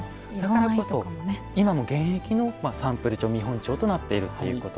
だからこそ今も現役のサンプル帳見本帳となっているっていうことなんですね。